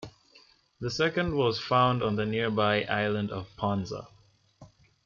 A second was found on the nearby Island of Ponza.